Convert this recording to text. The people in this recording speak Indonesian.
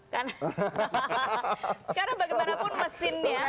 karena bagaimanapun mesinnya